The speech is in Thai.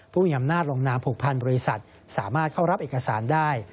ผู้มีอำนาจลงนามผูกพันบริษัทสามารถเข้ารับเอกสารได้